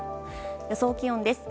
予想気温です。